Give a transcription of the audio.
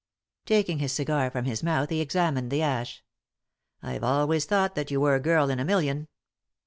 Taking his cigar from his mouth he examined the ash. " I've always thought that you were a girl in a million."